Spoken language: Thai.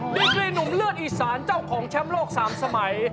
ดีกรีหนุ่มเลือดอีสานเจ้าของแชมป์โลก๓สมัย